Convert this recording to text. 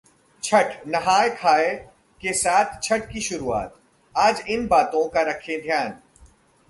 Chhath: नहाय-खाय के साथ छठ की शुरुआत, आज इन बातों का रखें ध्यान